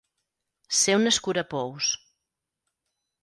Ser un escurapous.